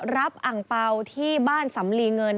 อังเปล่าที่บ้านสำลีเงิน